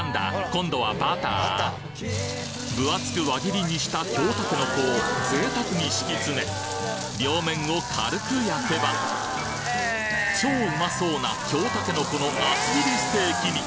今度は分厚く輪切りにした京たけのこを贅沢に敷き詰め両面を軽く焼けば超うまそうな京たけのこの厚切りステーキに！